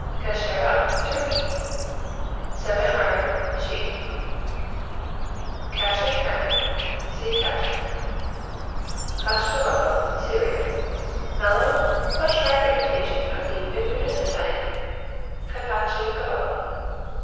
Cashera Turkey Semihard; sheep. Casher Penner see Kasher. Cashkavallo Syria Mellow but sharp imitation of the ubiquitous Italian Cacciocavallo.